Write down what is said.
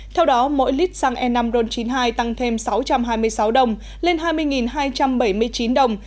theo đó mỗi lít xăng e năm ron chín mươi hai tăng thêm sáu trăm hai mươi sáu đồng lên hai mươi hai trăm bảy mươi chín đồng